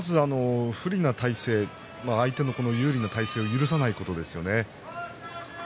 不利な体勢相手有利な体勢を許さないことですね。